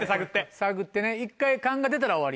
探ってね１回缶が出たら終わり。